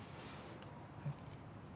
えっ？